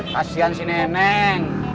kasian si neneng